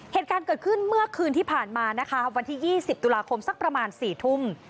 เหตุการณ์เกิดขึ้นเมื่อคืนที่ผ่านมานะคะวันที่๒๐ตุลาคมสักประมาณ๔ทุ่ม